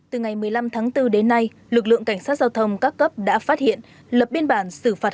từ ngày một mươi năm tháng bốn đến nay lực lượng cảnh sát giao thông các cấp đã phát hiện lập biên bản xử phạt